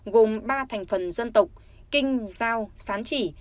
gồm ba thành phần dân tộc kinh giao sán chỉ